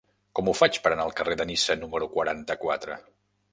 Com ho faig per anar al carrer de Niça número quaranta-quatre?